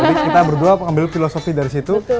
jadi kita berdua mengambil filosofi dari situ